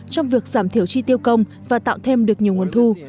trong việc giảm thiểu chi tiêu công và tạo thêm được nhiều nguồn thu